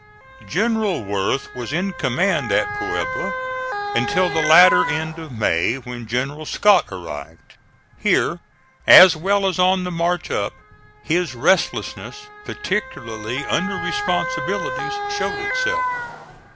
General Worth was in command at Puebla until the latter end of May, when General Scott arrived. Here, as well as on the march up, his restlessness, particularly under responsibilities, showed itself.